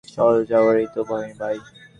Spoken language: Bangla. চলে যাওয়ারই তো ভয়, বাই।